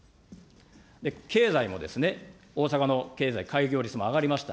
経済も、大阪の経済、開業率も上がりました。